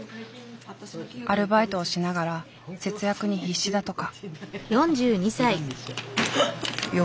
アルバイトをしながら節約に必死だとか。